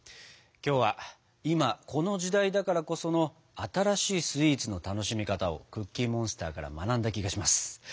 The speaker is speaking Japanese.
今日は今この時代だからこその新しいスイーツの楽しみ方をクッキーモンスターから学んだ気がします。